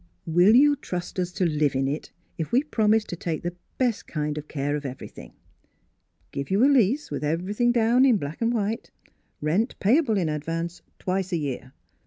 " Will you trust us to live in it, if we'll promise to take the best kind of care of everything ?— Give you a lease, with ev erything down in black and white. Rent payable in advance, twice a year."